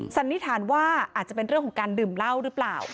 สันนิษฐานว่าอาจจะเป็นเรื่องของการดื่มเหล้าหรือเปล่า